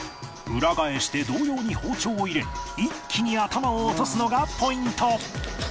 裏返して同様に包丁を入れ一気に頭を落とすのがポイント